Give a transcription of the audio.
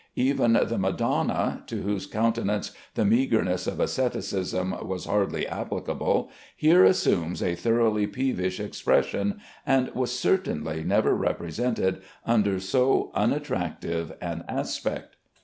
Even the Madonna, to whose countenance the meagreness of asceticism was hardly applicable, here assumes a thoroughly peevish expression, and was certainly never represented under so unattractive an aspect."